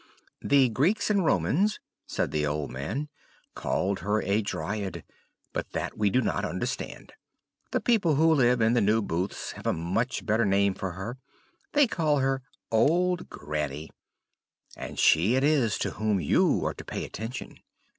"The Greeks and Romans," said the old man, "called her a Dryad; but that we do not understand. The people who live in the New Booths [*] have a much better name for her; they call her 'old Granny' and she it is to whom you are to pay attention.